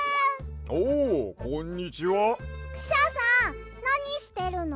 クシャさんなにしてるの？